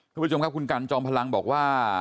ทุกผู้ชมครับคุณกันจอมพลังบอกว่า